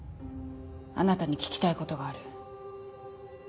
あなたに聞きたいことがある。